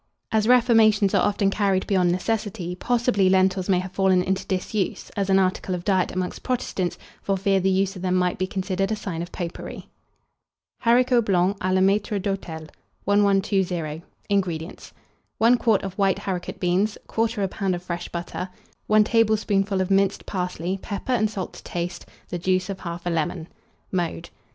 As reformations are often carried beyond necessity, possibly lentils may have fallen into disuse, as an article of diet amongst Protestants, for fear the use of them might be considered a sign of popery. HARICOTS BLANCS A LA MAITRE D'HOTEL. 1120. INGREDIENTS. 1 quart of white haricot beans, 1/4 lb. of fresh butter, 1 tablespoonful of minced parsley, pepper and salt to taste, the juice of 1/2 lemon. [Illustration: HARICOT BEANS.] Mode.